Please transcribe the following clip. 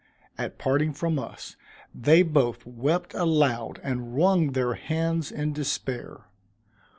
At parting from us, they both wept aloud, and wrung their hands in despair.